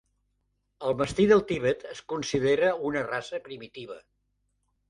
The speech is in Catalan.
El mastí del Tibet es considera una raça primitiva.